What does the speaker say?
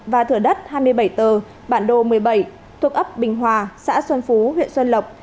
và thửa đất hai mươi bảy tờ bản đồ một mươi bảy thuộc ấp bình hòa xã xuân phú huyện xuân lộc